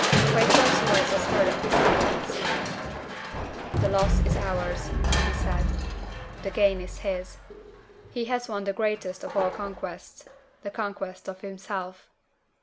Crayford's voice was heard in the silence. "The loss is ours," he said. "The gain is his. He has won the greatest of all conquests the conquest of himself.